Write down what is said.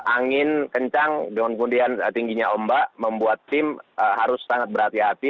angin kencang dengan kemudian tingginya ombak membuat tim harus sangat berhati hati